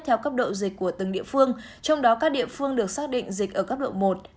theo cấp độ dịch của từng địa phương trong đó các địa phương được xác định dịch ở cấp độ một